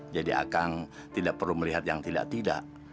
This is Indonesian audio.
jadi akang tidak perlu melihat yang tidak tidak